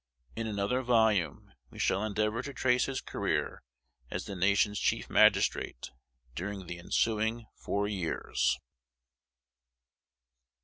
In another volume we shall endeavor to trace his career as the nation's Chief Magistrate during the ensuing four years.